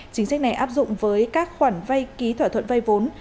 chính sách này áp dụng với các khoản vay ký thỏa thuận vay vốn